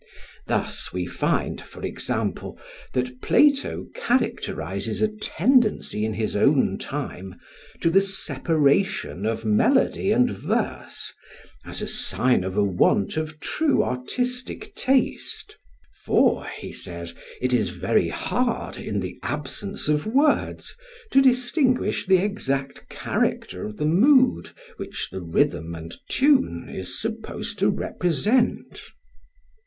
Thus we find, for example, that Plato characterises a tendency in his own time to the separation of melody and verse as a sign of a want of true artistic taste; for, he says, it is very hard, in the absence of words, to distinguish the exact character of the mood which the rhythm and tune is supposed to represent.